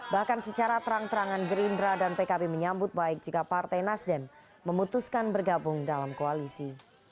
bahkan secara terang terangan gerindra dan pkb menyambut baik jika partai nasdem memutuskan bergabung dalam koalisi